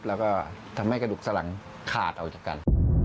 แล้วก็ทำให้กระดูกสลังขาดออกจากกัน